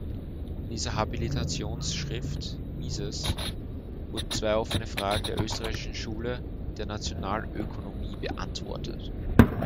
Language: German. In dieser Habilitationsschrift Mises’ wurden zwei offene Fragen der Österreichischen Schule der Nationalökonomie beantwortet.